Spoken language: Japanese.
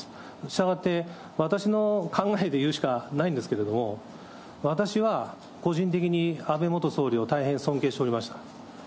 したがって、私の考えで言うしかないんですけれども、私は、個人的に安倍元総理を大変尊敬しておりました。